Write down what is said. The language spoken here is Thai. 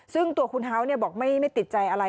ซึ่งตัวคุณฮาส์บอกไม่ติดใจอะไร